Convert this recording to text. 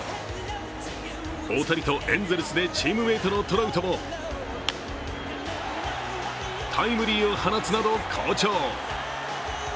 大谷とエンゼルスでチームメートのトラウトもタイムリーを放つなど好調。